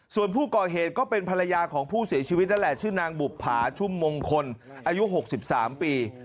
ส่วนผู้ก่อเหตุก็เป็นภรรยาของผู้เสียชีวิตนั่นแหละชื่อนางบุภาชุ่มมงคลอายุ๖๓ปี